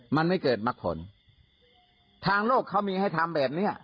มันไม่เกิดมักผลทางโลกเขามีให้ทำแบบเนี้ย